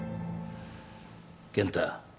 健太。